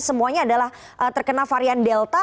semuanya adalah terkena varian delta